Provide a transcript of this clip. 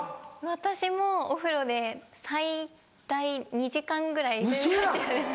私もお風呂で最大２時間ぐらい入ってられます。